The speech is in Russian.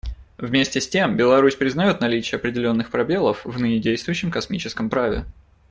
Вместе с тем, Беларусь признает наличие определенных пробелов в ныне действующем космическом праве.